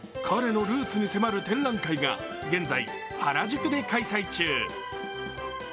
彼のルーツに迫る展覧会が現在、原宿で開催中。